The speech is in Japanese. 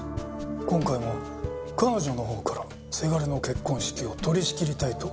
今回も彼女のほうから倅の結婚式を取り仕切りたいと言ってきました。